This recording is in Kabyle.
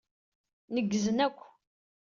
Neggzen akk.